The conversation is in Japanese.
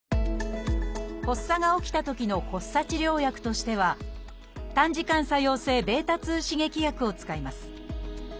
発作が起きたときの発作治療薬としては短時間作用性β刺激薬を使います